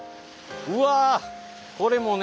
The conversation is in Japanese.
うわ！